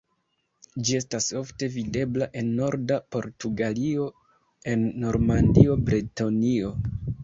Ĝi estas ofte videbla en norda Portugalio, en Normandio, Bretonio.